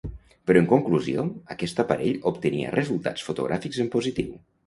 Però en conclusió, aquest aparell obtenia resultats fotogràfics en positiu.